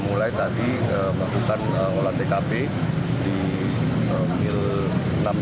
mulai tadi maksudnya ngelat tkb di mile enam puluh dua